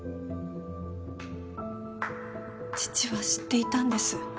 父は知っていたんです。